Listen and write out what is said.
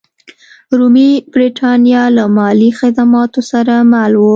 رومي برېټانیا له مالي خدماتو سره مل وه.